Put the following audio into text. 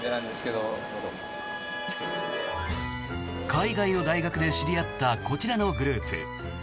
海外の大学で知り合ったこちらのグループ。